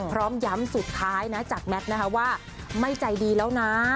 พร้อมย้ำสุดท้ายนะจากแมทนะคะว่าไม่ใจดีแล้วนะ